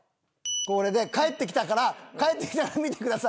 これで返ってきたから返ってきたら見てくださいよ。